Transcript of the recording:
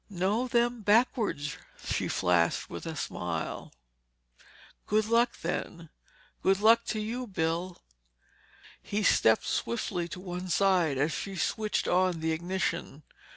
"Know them backwards," she flashed with a smile. "Good luck, then." "Good luck to you, Bill." He stepped swiftly to one side as she switched on the ignition.